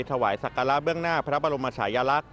ถวายศักระเบื้องหน้าพระบรมชายลักษณ์